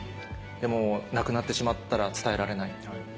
でも亡くなってしまったら伝えられない。